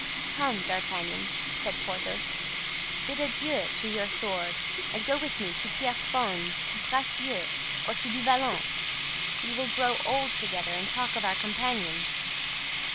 "Come, D'Artagnan," said Porthos, "bid adieu to your sword and go with me to Pierrefonds, to Bracieux, or to Du Vallon. We will grow old together and talk of our companions."